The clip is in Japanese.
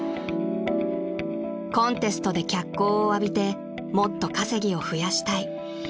［コンテストで脚光を浴びてもっと稼ぎを増やしたい］